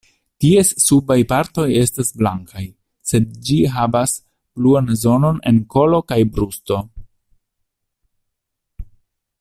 Ties subaj partoj estas blankaj, sed ĝi havas bluan zonon en kolo kaj brusto.